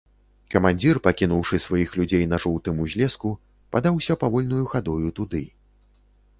Камандзір, пакінуўшы сваіх людзей на жоўтым узлеску, падаўся павольнаю хадою туды.